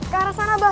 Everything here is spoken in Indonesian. ke arah sana abah